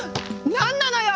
何なのよ！